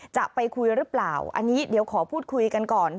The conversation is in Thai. จะไปคุยหรือเปล่าอันนี้เดี๋ยวขอพูดคุยกันก่อน